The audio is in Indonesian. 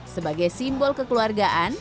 sebagai simbol kekeluargaan